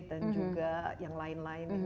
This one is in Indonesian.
dan juga yang lain lain